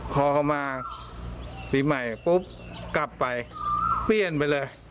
พอเขามาปีใหม่ปุ๊บกลับไปเปลี่ยนไปเลย